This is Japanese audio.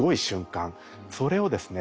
それをですね